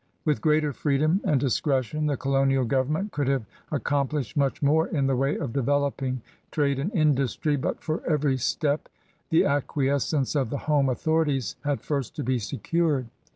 With greater freedom and discretion the colonial government could have accomplished much more in the way of developing trade and industry; but for every step the acquies cence of the home authorities had first to be secured.